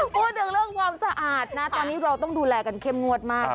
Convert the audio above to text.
พูดถึงเรื่องความสะอาดนะตอนนี้เราต้องดูแลกันเข้มงวดมาก